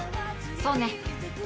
そうね。